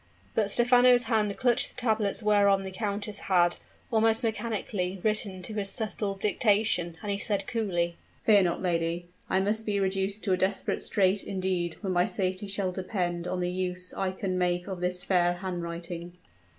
But Stephano's hand clutched the tablets whereon the countess had, almost mechanically, written to his subtle dictation; and he said, coolly: "Fear not, lady I must be reduced to a desperate strait indeed when my safety shall depend on the use I can make of this fair handwriting."